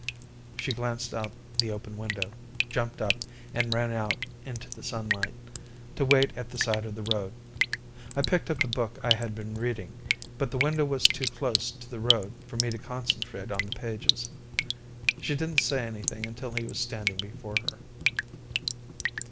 She glanced out the open window, jumped up, and ran out into the sunlight, to wait at the side of the road. I picked up the book I had been reading, but the window was too close to the road for me to concentrate on the pages. She didn't say anything until he was standing before her.